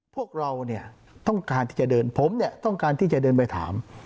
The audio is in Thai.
พวกเราเนี่ยต้องการที่จะเดินผมเนี่ยต้องการที่จะเดินไปถาม